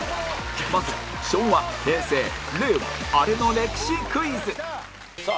まずは昭和平成令和アレの歴史クイズさあ